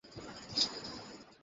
তাকে ওখান থেকে বেদখল দাও।